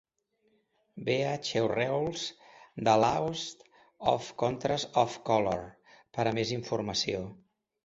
Vea Chevreul's "The Laws of Contrast of Colour" per a més informació.